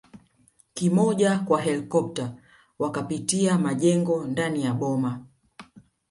kimoja kwa helikopta wakapitia majengo ndani ya boma